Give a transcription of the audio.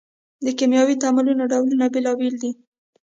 د کیمیاوي تعاملونو ډولونه بیلابیل دي.